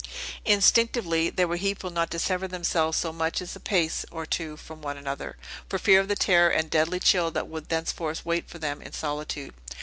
Instinctively, they were heedful not to sever themselves so much as a pace or two from one another, for fear of the terror and deadly chill that would thenceforth wait for them in solitude.